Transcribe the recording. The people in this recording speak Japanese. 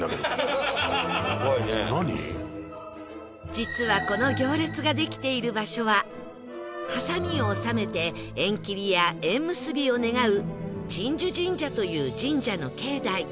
実はこの行列ができている場所はハサミを納めて縁切りや縁結びを願う鎮守神社という神社の境内